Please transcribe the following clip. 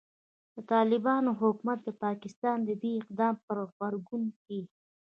د طالبانو حکومت د پاکستان د دې اقدام په غبرګون کې